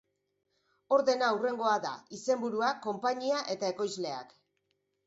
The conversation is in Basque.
Ordena hurrengoa da: izenburua, konpainia eta ekoizleak.